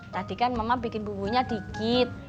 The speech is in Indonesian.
tadi kan mama bikin bumbunya dikit